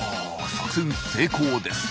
作戦成功です。